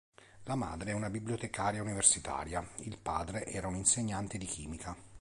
La madre è una bibliotecaria universitaria, il padre era un insegnante di chimica.